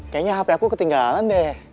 kayaknya hp aku ketinggalan deh